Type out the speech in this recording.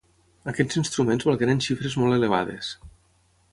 Aquests instruments valgueren xifres molt elevades.